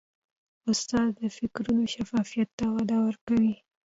استاد د فکرونو شفافیت ته وده ورکوي.